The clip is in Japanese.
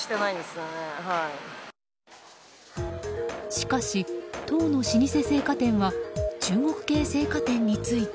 しかし、当の老舗青果店は中国系青果店について。